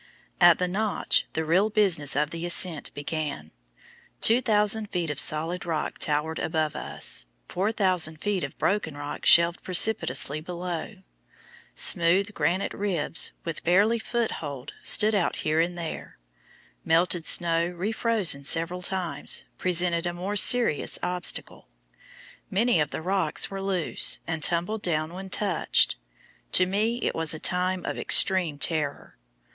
At the "Notch" the real business of the ascent began. Two thousand feet of solid rock towered above us, four thousand feet of broken rock shelved precipitously below; smooth granite ribs, with barely foothold, stood out here and there; melted snow refrozen several times, presented a more serious obstacle; many of the rocks were loose, and tumbled down when touched. To me it was a time of extreme terror.